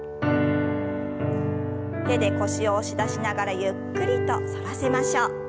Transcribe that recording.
手で腰を押し出しながらゆっくりと反らせましょう。